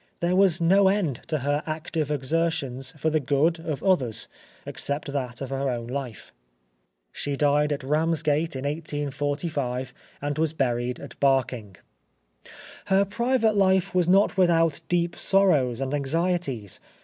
There was no end to her active exertions for the good of others except that of her life. She died at Ramsgate in 1845, and was buried at Barking. Her private life was not without deep sorrows and anxieties.